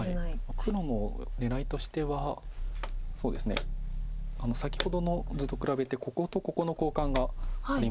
黒の狙いとしてはそうですね先ほどの図と比べてこことここの交換がありますので。